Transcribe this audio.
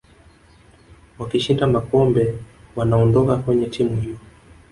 wakishinda makombe wanaondoka kwenye timu hiyo